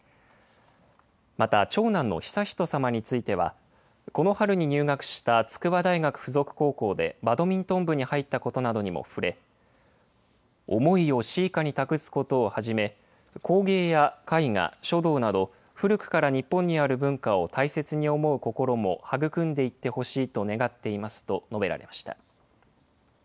また長男の悠仁さまについては、この春に入学した筑波大学附属高校でバドミントン部に入ったことなどにも触れ、思いを詩歌に託すことをはじめ、工芸や絵画、書道など、古くから日本にある文化を大切に思う心も育んでいってほしいと願っていますと述べられました。